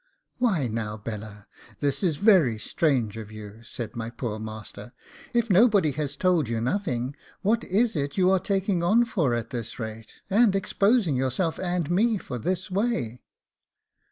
'Why now, Bella, this is very strange of you,' said my poor master; 'if nobody has told you nothing, what is it you are taking on for at this rate, and exposing yourself and me for this way?